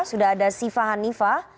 sudah ada siva hanifah